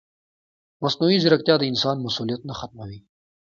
مصنوعي ځیرکتیا د انسان مسؤلیت نه ختموي.